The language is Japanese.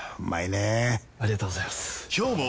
ありがとうございます！